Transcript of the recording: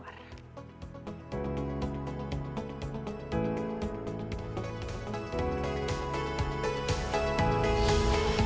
terima kasih banyak